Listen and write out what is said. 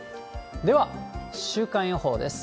では、週間予報です。